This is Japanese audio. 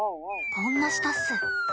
こんな舌っす。